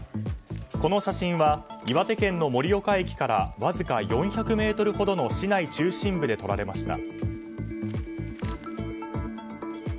この写真は、岩手県の盛岡駅からわずか４００ｍほどの市内中心部で撮られました。